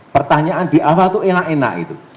pertanyaan di awal itu enak enak gitu